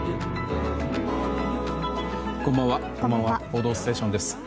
「報道ステーション」です。